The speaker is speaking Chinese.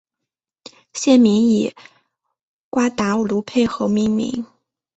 县名以瓜达卢佩河命名。